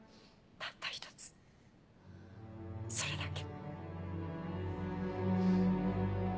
たった一つそれだけ。